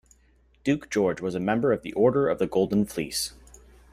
Duke George was a member of the Order of the Golden Fleece.